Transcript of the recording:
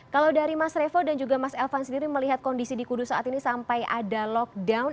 kalau dari mas revo dan juga mas elvan sendiri melihat kondisi di kudus saat ini sampai ada lockdown